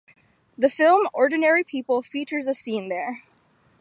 The film Ordinary People features a scene there.